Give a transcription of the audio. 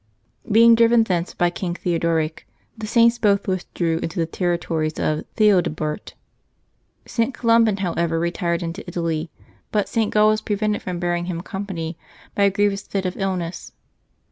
Being driven thence by King Theodoric, the Saints both withdrew into the territories of Theodebert. St. Columban, however, retired into Italy, but St. Gall was prevented from bearing him company by a grievous fit of illness.